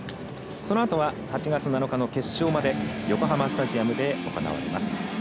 そのあとは、８月７日の決勝まで横浜スタジアムで行われます。